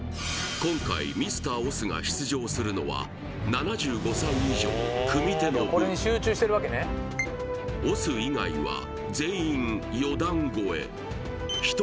今回ミスター押忍が出場するのは７５歳以上組手の部押忍以外は全員四段超え１人